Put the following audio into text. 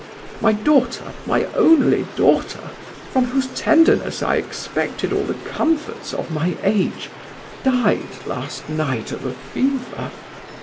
My daughter, my only daughter, from whose tenderness I expected all the comforts of my age, died last night of a fever.